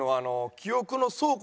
記憶の倉庫？